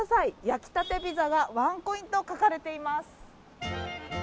焼きたてピザがワンコインと書かれています。